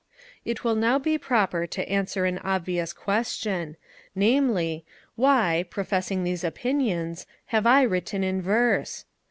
It will now be proper to answer an obvious question, namely, Why, professing these opinions, have I written in verse?